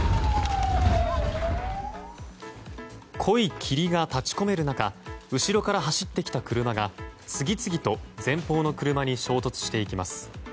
濃い霧が立ち込める中後ろから走ってきた車が次々と前方の車に衝突していきます。